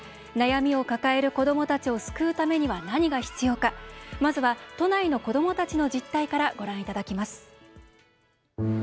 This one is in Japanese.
悩みを抱える子どもたちを救うためには何が必要かまずは、都内の子どもたちの実態からご覧いただきます。